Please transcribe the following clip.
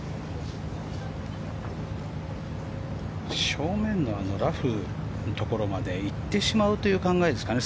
正面のラフのところまで行ってしまうという考えですかね。